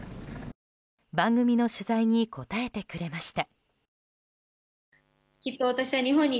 番組の取材に答えてくれました。